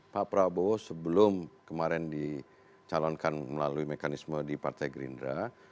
pak prabowo sebelum kemarin dicalonkan melalui mekanisme di partai gerindra